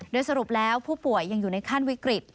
โดยสรุปแล้วผู้ป่วยยังอยู่ในขั้นวิกฤต